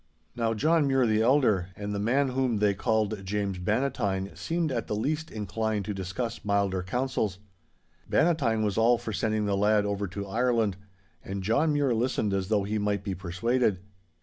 'Now John Mure the elder, and the man whom they called James Bannatyne, seemed at the least inclined to discuss milder councils. Bannatyne was all for sending the lad over to Ireland. And John Mure listened as though he might be persuaded.